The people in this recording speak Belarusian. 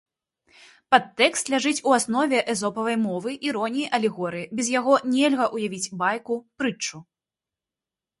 Падтэкст ляжыць у аснове эзопавай мовы, іроніі, алегорыі, без яго нельга ўявіць байку, прытчу.